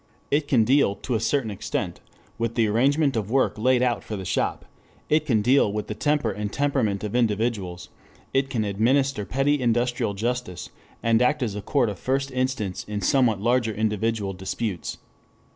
It can deal to a certain extent with the arrangement of work laid out for the shop, it can deal with the temper and temperament of individuals, it can administer petty industrial justice, and act as a court of first instance in somewhat larger individual disputes.